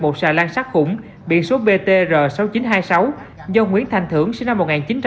một xà lan sát khủng biện số vtr sáu nghìn chín trăm hai mươi sáu do nguyễn thành thưởng sinh năm một nghìn chín trăm chín mươi ba